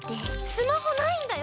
スマホないんだよ